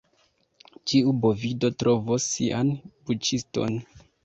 Ĉiu bovido trovos sian buĉiston.